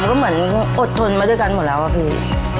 ก็เหมือนอดทนมาด้วยกันหมดแล้วอะพี่